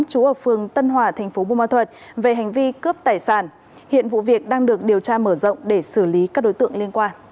chú ở phường tân hòa thành phố bùa ma thuật về hành vi cướp tài sản hiện vụ việc đang được điều tra mở rộng để xử lý các đối tượng liên quan